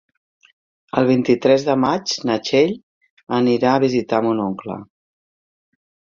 El vint-i-tres de maig na Txell anirà a visitar mon oncle.